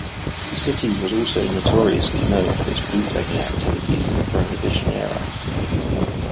The city was also notoriously known for its bootlegging activities in the Prohibition era.